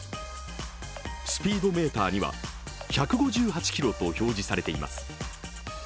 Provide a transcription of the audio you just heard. スピードメーターには１５８キロと表示されています。